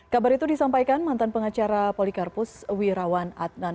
kabar itu disampaikan mantan pengacara polikarpus wirawan adnan